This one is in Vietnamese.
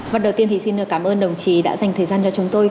và đầu tiên thì xin cảm ơn đồng chí đã dành thời gian cho chúng tôi